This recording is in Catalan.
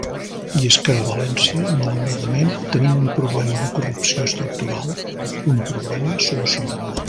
I és que a València, malauradament, tenim un problema de corrupció estructural —un problema solucionable.